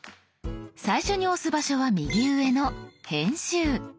最初に押す場所は右上の「編集」。